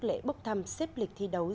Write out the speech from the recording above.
lễ bốc thăm xếp lịch thi đấu